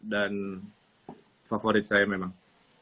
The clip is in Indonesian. dan favorit saya memang